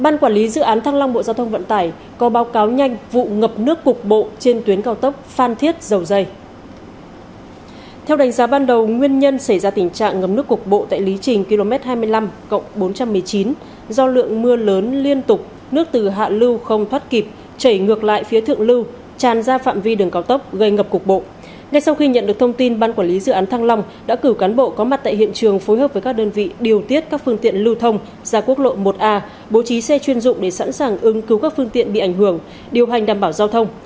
ngay sau khi nhận được thông tin ban quản lý dự án thăng long đã cử cán bộ có mặt tại hiện trường phối hợp với các đơn vị điều tiết các phương tiện lưu thông ra quốc lộ một a bố trí xe chuyên dụng để sẵn sàng ứng cứu các phương tiện bị ảnh hưởng điều hành đảm bảo giao thông